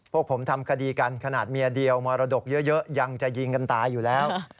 พวกผมทำคดีกันขนาดเมียเดียวมรดกเยอะยังจะยิงกันตายอยู่แล้ว